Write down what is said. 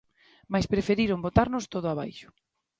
Mais preferiron botarnos todo abaixo.